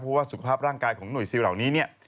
เพราะว่าสุขภาพร่างกายของหน่วยซิลเหล่านี้เนี่ย